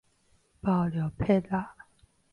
包尿帕仔